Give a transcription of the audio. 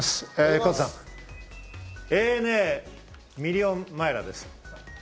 加藤さん、ＡＮＡミリオンマイラーです。